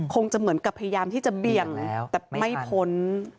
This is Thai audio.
คงจะเหมือนกับพยายามที่จะเบี่ยงแต่ไม่พ้น